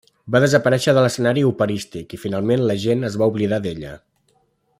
Va desaparèixer de l'escenari operístic i finalment la gent es va oblidar d'ella.